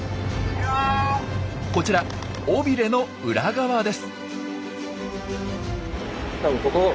こちら尾ビレの裏側です。